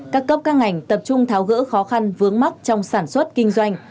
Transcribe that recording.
các cấp các ngành tập trung tháo gỡ khó khăn vướng mắt trong sản xuất kinh doanh